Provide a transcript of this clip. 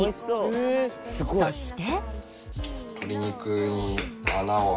そして